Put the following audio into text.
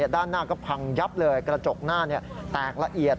ด้านหน้าก็พังยับเลยกระจกหน้าแตกละเอียด